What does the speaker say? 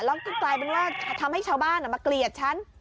แล้วก็กลายเป็นว่าทำให้ชาวบ้านมาเกลียดฉัน